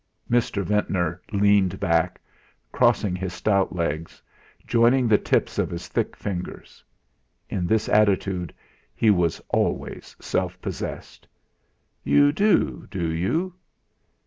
Mr. Ventnor leaned back, crossing his stout legs, joining the tips of his thick fingers. In this attitude he was always self possessed. "You do do you?"